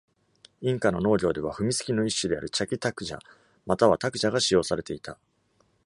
インカの農業では、踏み鋤の一種である「chaki taklla」または「taklla」が使用されていた。